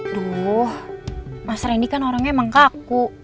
duh mas randy kan orangnya emang kaku